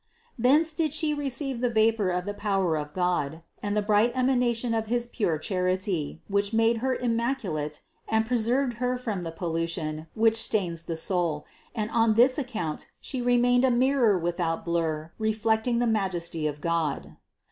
606. Thence did She receive that vapor of the power of God and the bright emanation of his pure charity, which made Her immaculate and preserved Her from the pollution, which stains the soul ; and on this account She remained a mirror without blur reflecting the Majesty of God.